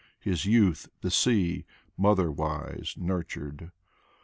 His youth the sea, motherwise, nurtured.